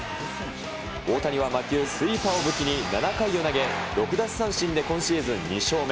大谷は魔球、スイーパーを武器に、７回を投げ、６奪三振で今シーズン２勝目。